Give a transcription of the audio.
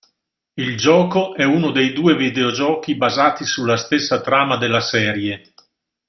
Il gioco è uno dei due videogiochi basati sulla stessa trama della serie.